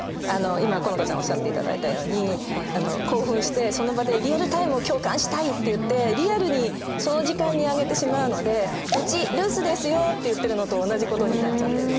今好花ちゃんおっしゃっていただいたように興奮してその場でリアルタイムを共感したいっていってリアルにその時間に上げてしまうので「うち留守ですよ」って言ってるのと同じことになっちゃってると。